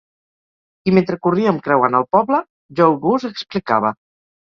I mentre corríem creuant el poble, Joe Goose explicava.